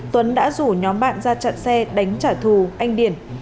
tuấn đã rủ nhóm bạn ra chặn xe đánh trả thù anh điển